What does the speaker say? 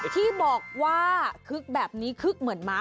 ที่บอกว่าคึกแบบนี้คึกเหมือนม้า